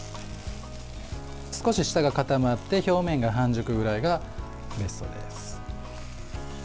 少し下が固まって表面が半熟ぐらいがベストです。